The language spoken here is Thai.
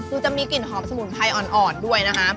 คือจะมีกลิ่นหอมสมุนไพรอ่อนด้วยนะคะ